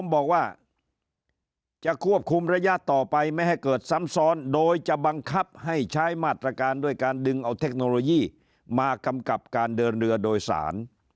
บอกว่าจะควบคุมระยะต่อไปไม่ให้เกิดซ้ำซ้อนโดยจะบังคับให้ใช้มาตรการด้วยการดึงเอาเทคโนโลยีมากำกับการเดินเรือโดยสาร